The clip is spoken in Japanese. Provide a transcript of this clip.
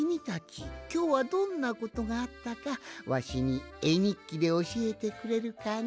きょうはどんなことがあったかわしにえにっきでおしえてくれるかの？